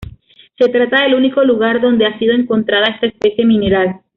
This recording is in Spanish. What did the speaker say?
Se trata del único lugar donde ha sido encontrada esta especie mineral.